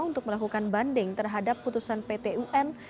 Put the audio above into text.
untuk melakukan banding terhadap putusan pt un